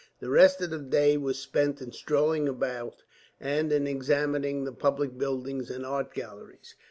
The rest of the day was spent in strolling about, and in examining the public buildings and art galleries.